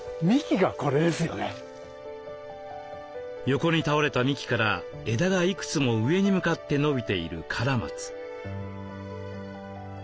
横に倒れた幹から枝がいくつも上に向かって伸びているカラマツ。